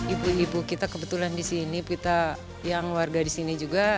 ibu ibu kita kebetulan di sini kita yang warga di sini juga